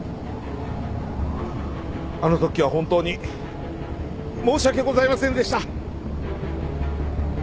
あのときは本当に申し訳ございませんでした！